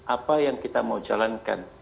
apa yang kita mau jalankan